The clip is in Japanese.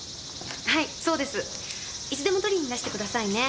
はいそうです。いつでも取りにいらしてくださいね。